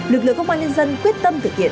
lực lượng công an nhân dân quyết tâm thực hiện